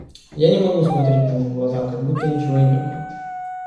Я не могу смотреть ему в глаза, как будто ничего и не было.